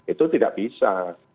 itu tidak bisa